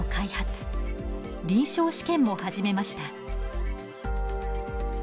臨床試験も始めました。